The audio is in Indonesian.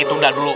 itu enggak dulu